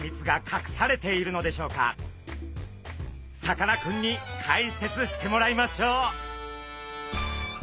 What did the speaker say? さかなクンに解説してもらいましょう！